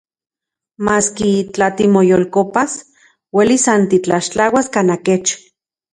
Maski, tla timoyolkopas, uelis san titlaxtlauas kanaj kech.